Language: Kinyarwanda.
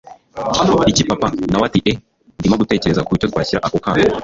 iki papa!? nawe ati eeeh! ndimo gutekereza kucyo twashyira ako kana